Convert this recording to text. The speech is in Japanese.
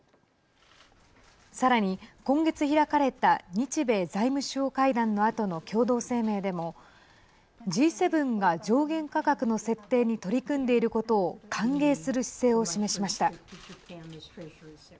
さらに今月、開かれた日米財務相会談のあとの共同声明でもＧ７が上限価格の設定に取り組んでいることを歓迎する姿勢を示しました。